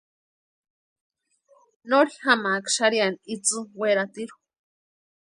Nori jamaaka xarhiani itsï weratirhu.